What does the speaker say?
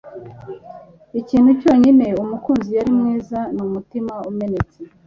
ikintu cyonyine umukunzi yari mwiza ni umutima umenetse